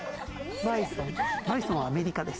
バイソンはアメリカです。